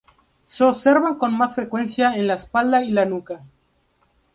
Se observan con más frecuencia en la espalda y la nuca.